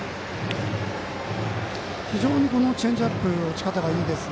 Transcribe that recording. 非常にチェンジアップの落ち方がいいです。